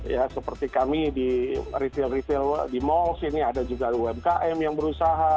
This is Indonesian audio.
ya seperti kami di retail retail di mall sini ada juga umkm yang berusaha